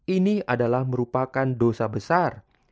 ini adalah merupakan dosa besar